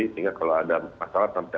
sehingga kalau ada masalah sampai